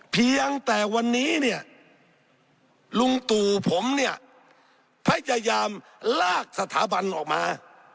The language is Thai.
เพียงแต่วันนี้เนี่ยลุงตู่ผมเนี่ยพยายามลากสถาบันออกมา